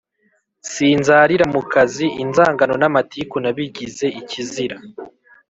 sinzarira mu kazi, inzangano n’amatiku nabigize ikizira,